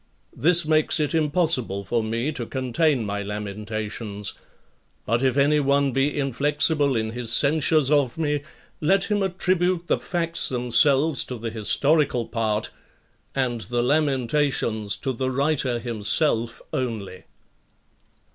This makes it impossible for me to contain my lamentations. But if any one be inflexible in his censures of me, let him attribute the facts themselves to the historical part, and the lamentations to the writer himself only. 5.